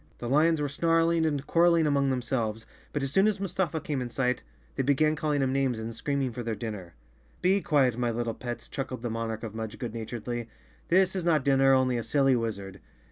The lions were snarling and quarreling among themselves, but as soon as Mustafa came in sight they began calling him names and screaming for their dinner. " Be quiet, my little pets," chuckled the Monarch of Mudge good naturedly. "This is not dinner, only a silly wizard."